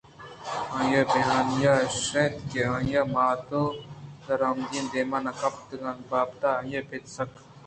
آئی ءِ بہانہ اِش اَت کہ آئی ءِ مات درآمدانی دیمءَ نہ کپیت ءُ اے بابت ءَآئی ءِ پت سک ترٛند اِنت ءُمات ءِ سرا پابندی اِنت کہ کسے ءِ دیمءَ مہ روت اِنت